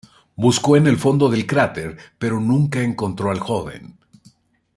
Buscó en el fondo del cráter, pero nunca encontró al joven.